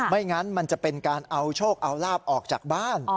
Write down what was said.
งั้นมันจะเป็นการเอาโชคเอาลาบออกจากบ้าน